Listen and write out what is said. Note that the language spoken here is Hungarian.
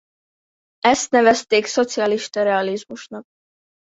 Ezt nevezték szocialista realizmusnak.